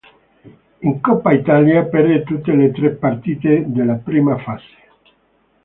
In Coppa Italia perde tutte le tre partite della prima fase.